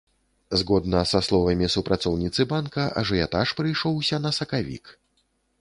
Згодна са словамі супрацоўніцы банка, ажыятаж прыйшоўся на сакавік.